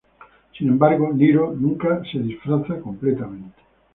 Sin embargo, Niro nunca se disfraza completamente.